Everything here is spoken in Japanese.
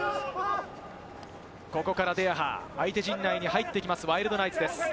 ここから相手陣内に入ってきます、ワイルドナイツです。